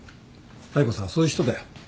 妙子さんはそういう人だよ。